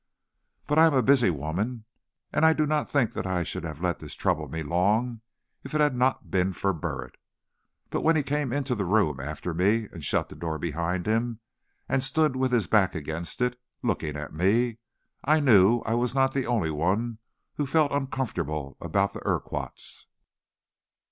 But I am a busy woman, and I do not think I should have let this trouble me long if it had not been for Burritt. But when he came into the room after me, and shut the door behind him and stood with his back against it, looking at me, I knew I was not the only one who felt uncomfortable about the Urquharts.